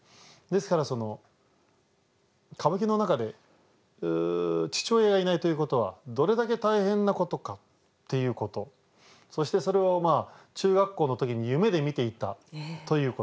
ですから歌舞伎の中で父親がいないということはどれだけ大変なことかっていうことそしてそれを中学校の時に夢で見ていたということ。